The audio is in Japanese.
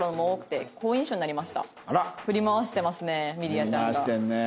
振り回してますねみりあちゃんが。